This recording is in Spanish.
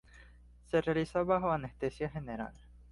Se realiza bajo anestesia general.